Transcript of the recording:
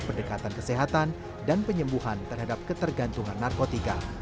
pendekatan kesehatan dan penyembuhan terhadap ketergantungan narkotika